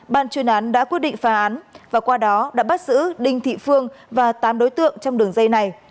ban chuyên án đã quyết định phá án và qua đó đã bắt giữ đinh thị phương và tám đối tượng trong đường dây này